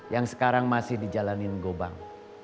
yang sekarang masih di jalanin gobang